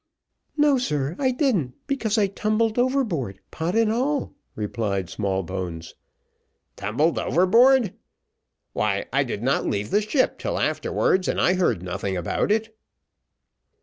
"No, sir, I didn't, because I tumbled overboard, pot and all," replied Smallbones. "Tumbled overboard! why, I did not leave the ship till afterwards, and I heard nothing about it."